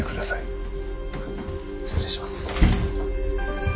失礼します。